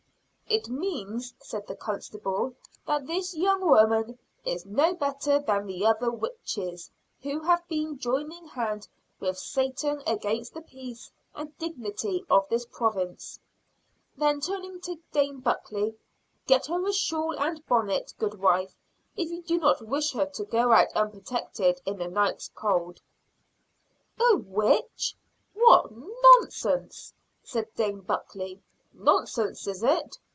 "It means," said the constable, "that this young woman is no better than the other witches, who have been joining hand with Satan against the peace and dignity of this province." Then, turning to Dame Buckley, "Get her a shawl and bonnet, goodwife; if you do not wish her to go out unprotected in the night's cold." "A witch what nonsense!" said Dame Buckley. "Nonsense, is it?"